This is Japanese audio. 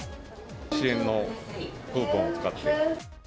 支援のクーポンを使って。